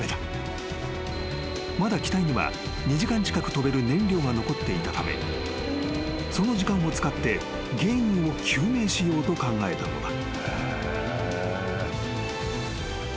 ［まだ機体には２時間近く飛べる燃料が残っていたためその時間を使って原因を究明しようと考えたのだ］